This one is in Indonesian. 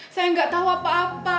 saya gak tau apa apa